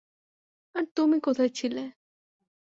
আর তুমি কোথায় ছিলে?